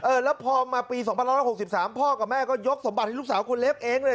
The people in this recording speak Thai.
แล้วพอมาปี๒๑๖๓พ่อกับแม่ก็ยกสมบัติให้ลูกสาวคนเล็กเองเลย